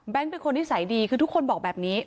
เป็นคนนิสัยดีคือทุกคนบอกแบบนี้